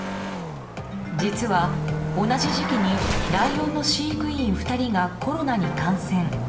実は、同じ時期にライオンの飼育員２人がコロナに感染。